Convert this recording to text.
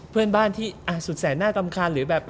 เพื่อนบ้านที่สุดแสนหน้าตำคาญหรือแบบ